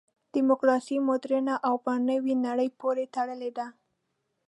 دیموکراسي مډرنه او په نوې نړۍ پورې تړلې ده.